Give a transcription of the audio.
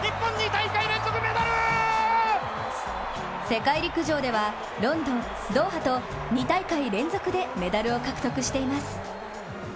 世界陸上ではロンドン、ドーハと２大会連続でメダルを獲得しています。